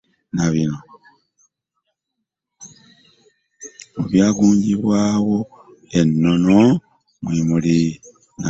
Mu byagunjibwawo e Nnono mwe muli na bino: